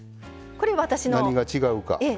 何が違うか。